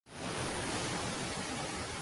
— Ezgulik hech vaqt yolg‘iz qolmagan.